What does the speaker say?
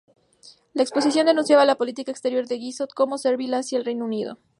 La oposición denunciaba la política exterior de Guizot como servil hacia el Reino Unido.